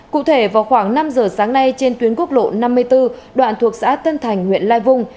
cụ thể vào khoảng năm giờ sáng nay trên tuyến quốc lộ năm mươi bốn đoạn thuộc xã tân thành huyện lai vung